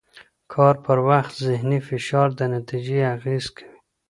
کار پر وخت ذهني فشار د نتیجې اغېز کوي.